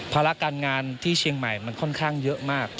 ภาระการงานที่เชียงใหม่มันค่อนข้างเยอะมาก